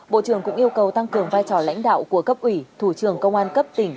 bộ trưởng cũng yêu cầu tăng cường vai trò lãnh đạo của cấp ủy thủ trưởng công an cấp tỉnh